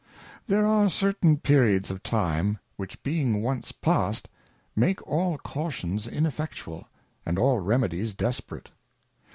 There are certain Periods of Time, which being once past, make aU Cautions ineffectual, and all Remedies desperate.